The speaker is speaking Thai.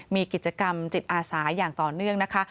มีกิจกรรมจิตอาสาอย่างต่อเนื่องนะคะ